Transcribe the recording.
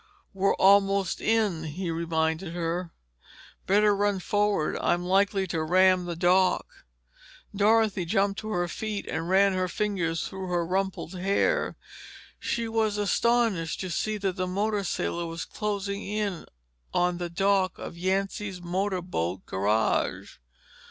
"We're almost in," he reminded her. "Better run forward or I'm likely to ram the dock." Dorothy jumped to her feet and ran her fingers through her rumpled hair. She was astonished to see that the motor sailor was closing in on the dock of Yancy's Motor Boat garage.